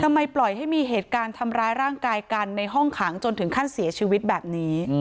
ปล่อยให้มีเหตุการณ์ทำร้ายร่างกายกันในห้องขังจนถึงขั้นเสียชีวิตแบบนี้